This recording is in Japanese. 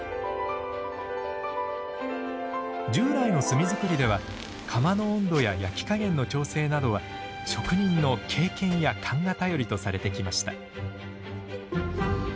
従来の炭づくりでは窯の温度や焼き加減の調整などは職人の経験や勘が頼りとされてきました。